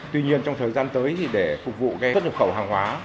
tuy nhiên trong thời gian tới thì để phục vụ xuất nhập khẩu hàng hóa